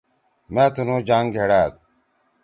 مأ تُنُو جانگ گھڑأڈ۔